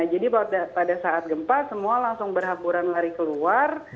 jadi pada saat gempa semua langsung berhampuran lari keluar